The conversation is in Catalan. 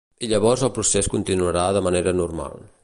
I llavors el procés continuarà de manera normal.